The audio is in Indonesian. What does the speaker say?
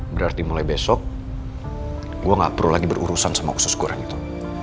berarti mulai besok gue gak perlu lagi berurusan sama khusus kurang itu